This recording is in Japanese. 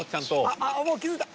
［あっもう気付いた］